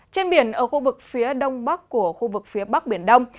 trên biển ở khu vực phía đông bắc của khu vực phía bắc biển đông